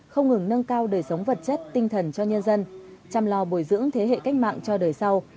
không ngừng nâng cao đời sống vật chất tinh thần cho nhân dân chăm lo bồi dưỡng thế hệ cách mạng cho đời sau